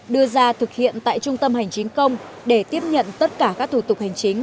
đưa ra thực hiện tại trung tâm hành chính công để tiếp nhận tất cả các thủ tục hành chính